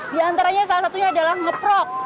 di antaranya salah satunya adalah ngeprok